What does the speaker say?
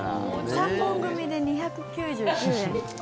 ３本組みで２９９円。